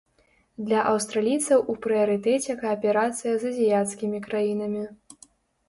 Для аўстралійцаў у прыярытэце кааперацыя з азіяцкімі краінамі.